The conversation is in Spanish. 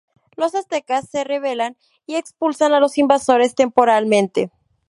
Los aztecas se rebelan y expulsan a los invasores temporalmente.